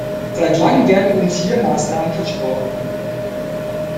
Seit langem werden uns hier Maßnahmen versprochen.